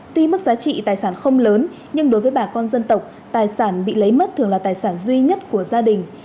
tuy mức giá trị tài sản không lớn nhưng đối với bà con dân tộc tài sản bị lấy mất thường là tài sản duy nhất của gia đình